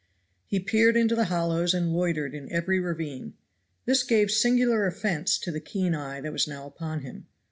He peered into the hollows and loitered in every ravine. This gave singular offense to the keen eye that was now upon him.